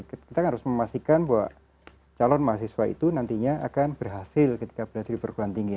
kita harus memastikan bahwa calon mahasiswa itu nantinya akan berhasil ketika berhasil di perguruan tinggi